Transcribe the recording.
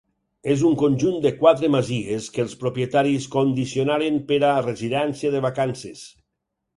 És un conjunt de quatre masies que els propietaris condicionaren per a residència de vacances.